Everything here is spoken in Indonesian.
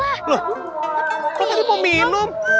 loh kok tadi mau minum